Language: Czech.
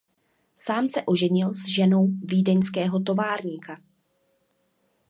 Sám se oženil s ženou vídeňského továrníka.